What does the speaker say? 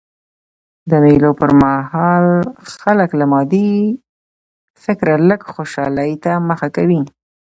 د مېلو پر مهال خلک له مادي فکره لږ خوشحالۍ ته مخه کوي.